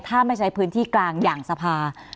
ถ้าไม่ใช้พื้นที่กลางอย่างสภา